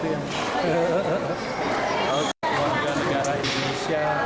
keluarga negara indonesia